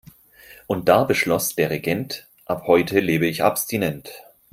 Und da beschloss der Regent: Ab heute lebe ich abstinent.